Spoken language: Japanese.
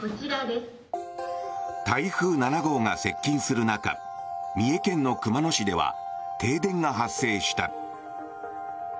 台風７号が接近する中三重県の熊野市では停電が発生した。